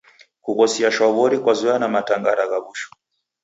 Kughosia shwaw'ori kwazoya na mataranga gha w'ushu.